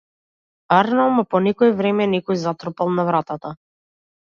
Арно ама по некое време некој затропал на вратата.